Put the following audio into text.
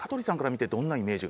えっどんなイメージ？